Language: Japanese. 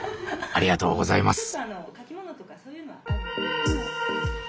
ありがとうございます。